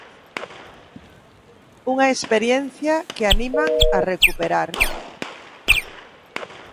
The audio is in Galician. Unha experiencia que animan a recuperar.